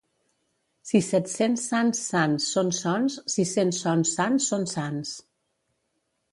Si set-cents sants sans són sons, sis-cents sons sans són sants.